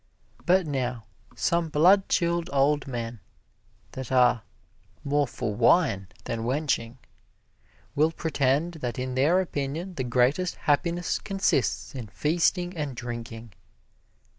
But now some blood chilled old men, that are more for wine than wenching, will pretend that in their opinion the greatest happiness consists in feasting and drinking.